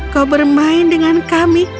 kau bermain dengan kami